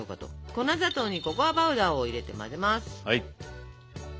粉砂糖にココアパウダーを入れて混ぜます。